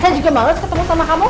saya juga males ketemu sama kamu